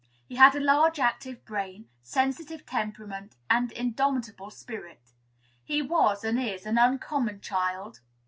He had a large, active brain, sensitive temperament, and indomitable spirit. He was and is an uncommon child.